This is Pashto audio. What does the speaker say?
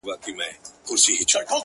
o كه په رنگ باندي زه هر څومره تورېږم،